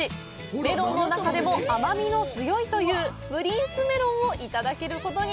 メロンの中でも甘みの強いというプリンスメロンをいただけることに。